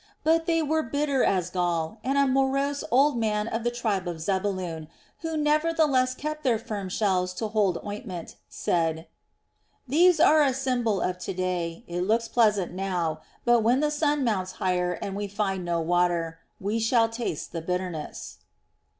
But they were bitter as gall and a morose old man of the tribe of Zebulun, who nevertheless kept their firm shells to hold ointment, said: "These are a symbol of to day. It looks pleasant now; but when the sun mounts higher and we find no water, we shall taste the bitterness."